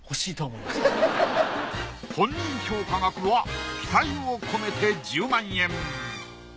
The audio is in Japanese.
本人評価額は期待を込めて１０万円。